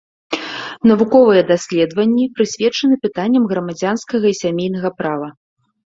Навуковыя даследванні прысвечаны пытанням грамадзянскага і сямейнага права.